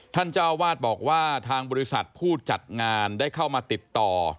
เจ้าวาดบอกว่าทางบริษัทผู้จัดงานได้เข้ามาติดต่อ